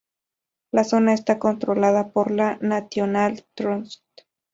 La zona está controlada por la National Trust.